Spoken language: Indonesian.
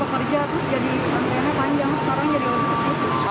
pertama kekerjaan terus pantainya panjang sekarang jadi orang yang begitu